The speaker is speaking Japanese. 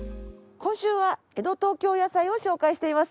今週は江戸東京野菜を紹介しています。